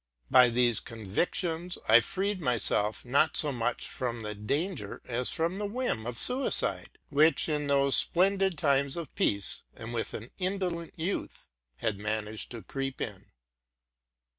By these convictions I freed myself, not so much from the danger as from the whim of suicide, which in those splendid times of peace, and with an indolent youth, had managed to creep in.